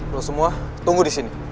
loh semua tunggu di sini